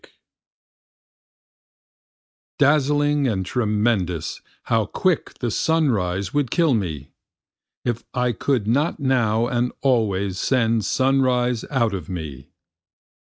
25 Dazzling and tremendous how quick the sun rise would kill me, If I could not now and always send sun rise out of me.